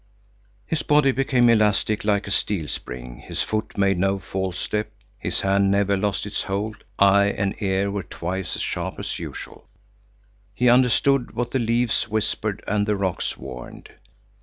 His body became elastic like a steel spring, his foot made no false step, his hand never lost its hold, eye and ear were twice as sharp as usual. He understood what the leaves whispered and the rocks warned.